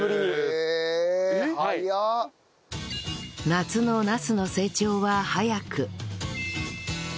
夏のナスの成長は早く